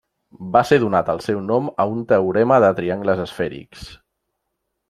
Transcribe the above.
Va ser donat el seu nom a un teorema de triangles esfèrics.